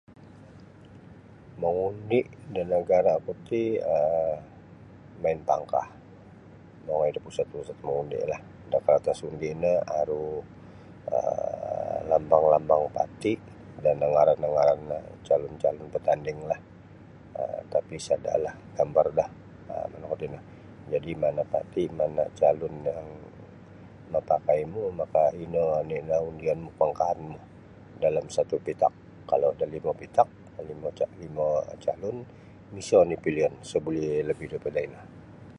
Mangundi da nagara ku ti um main pangkah mongoi da pusat-pusat mangundi lah da kartas undi no aru um lambang-lambang parti dan ngaran-ngaran calun-calun batandinglah tapi um sada lah gambar kah um manu kuo tino jadi mana parti mana calun yang mapakai mu maka ino oni' lah undian mu pangkahan mu dalam satu petak kalau ada lima petak limo calun miso oni pilion mu isa buli lebih daripa ino.